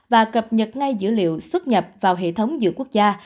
và cập nhật ngay dữ liệu xuất nhập vào hệ thống dữ quốc gia